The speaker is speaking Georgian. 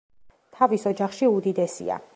თავის ოჯახში უდიდესია.